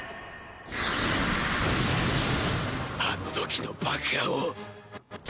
あの時の爆破を。